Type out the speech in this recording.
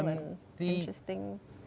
atau ini beruntung